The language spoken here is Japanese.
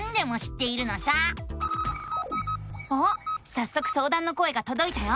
さっそくそうだんの声がとどいたよ。